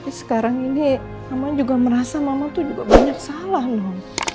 tapi sekarang ini mama juga merasa mama tuh juga banyak salah dong